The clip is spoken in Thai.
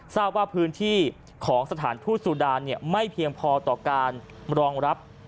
ทราบว่าพื้นที่ของสถานทูตสุดานไม่เพียงพอต่อการรองรับ